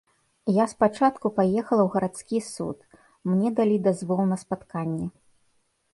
Я спачатку паехала ў гарадскі суд, мне далі дазвол на спатканне.